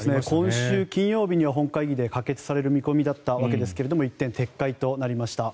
今週金曜日には本会議で可決される見込みだったわけですが一転、撤回となりました。